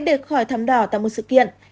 đề khỏi thắm đỏ tại một sự kiện